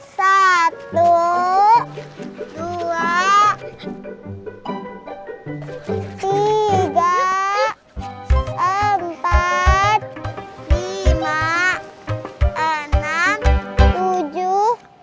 satu dua tiga empat lima enam tujuh